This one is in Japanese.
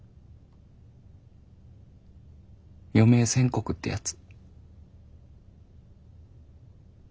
余命宣告ってやつ。